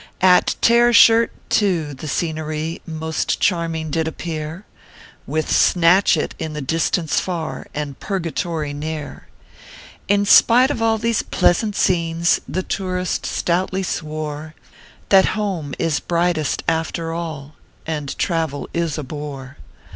At Tear Shirt too, the scenery Most charming did appear, With Snatch It in the distance far, And Purgatory near. But spite of all these pleasant scenes, The tourist stoutly swore, That home is brightest, after all, And travel is a bore.